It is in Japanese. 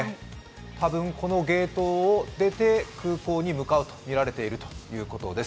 たぶん、このゲートを出て空港に向かうとみられているということです。